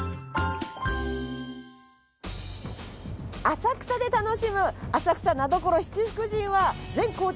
浅草で楽しむ浅草名所七福神は全行程